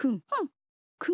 くん。